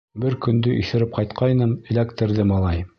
Бер көндө иҫереп ҡайтҡайным... эләктерҙе малай!..